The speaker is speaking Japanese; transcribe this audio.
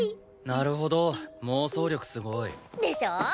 なるほど妄想力すごい。でしょ？